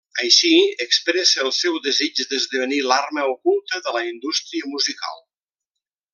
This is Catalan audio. Així expressa el seu desig d'esdevenir l'arma oculta de la indústria musical.